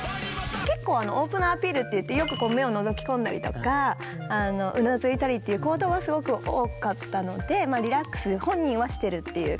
結構オープナーアピールっていってよく目をのぞき込んだりとかうなずいたりっていう行動はすごく多かったのでリラックス本人はしてるっていう。